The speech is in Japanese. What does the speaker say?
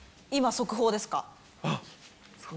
今、速報ですか？